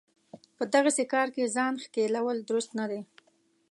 په دغسې کار کې ځان ښکېلول درست نه دی.